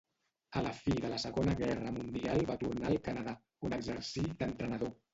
A la fi de la Segona Guerra Mundial va tornar al Canadà, on exercí d'entrenador.